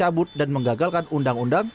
dan mencabut dan menggagalkan undang undang